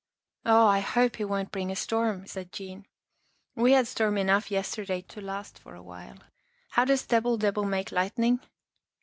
" Oh, I hope he won't bring a storm," said Jean. " We had storm enough yesterday to last for awhile. How does Debil debil make lightning?